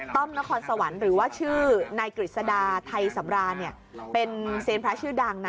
้อมนครสวรรค์หรือว่าชื่อนายกฤษดาไทยสำราเป็นเซียนพระชื่อดังนะ